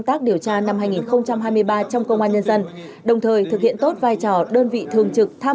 tác điều tra năm hai nghìn hai mươi ba trong công an nhân dân đồng thời thực hiện tốt vai trò đơn vị thường trực tham